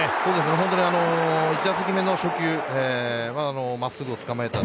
本当に１打席目の初球真っすぐを捕まえた。